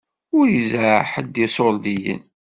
Ur izerreɛ ḥedd iṣuṛdiyen.